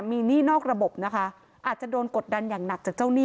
มีหนี้นอกระบบนะคะอาจจะโดนกดดันอย่างหนักจากเจ้าหนี้